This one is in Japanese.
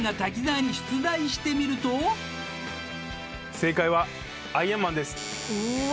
正解は「アイアンマン」ですうわ